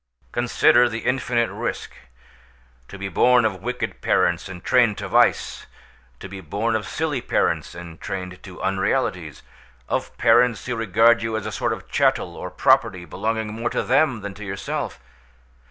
"Consider the infinite risk; to be born of wicked parents and trained in vice! to be born of silly parents, and trained to unrealities! of parents who regard you as a sort of chattel or property, belonging more to them than to yourself!